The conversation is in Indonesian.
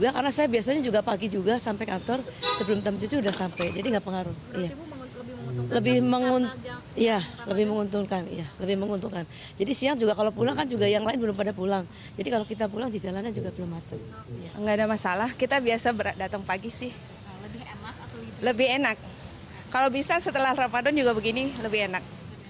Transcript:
kalau bisa setelah ramadan juga begini lebih enak